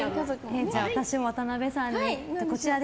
私も渡辺さんに。